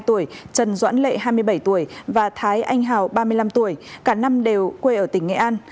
trần doãn lệ hai mươi bảy tuổi và thái anh hào ba mươi năm tuổi cả năm đều quê ở tỉnh nghệ an